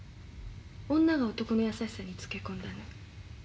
女が男の優しさにつけ込んだの。